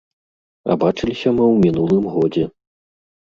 А бачыліся мы ў мінулым годзе.